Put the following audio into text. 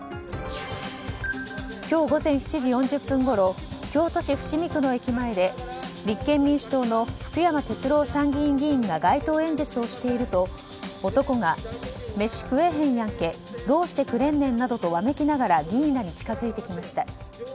今日午前７時４０分ごろ京都市伏見区の駅前で立憲民主党の福山哲郎参議院議員が街頭演説をしていると男が、飯食えへんやんけどうしてくれんねんなどとわめきながら議員らに近づいてきました。